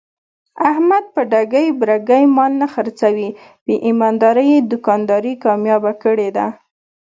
احمد په ټګۍ برگۍ مال نه خرڅوي. په ایماندارۍ یې دوکانداري کامیاب کړې ده.